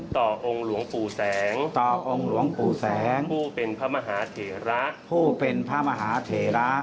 องค์หลวงปู่แสงต่อองค์หลวงปู่แสงผู้เป็นพระมหาเถระผู้เป็นพระมหาเถระ